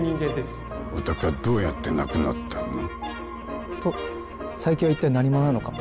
お宅はどうやって亡くなったの？と佐伯は一体何者なのか。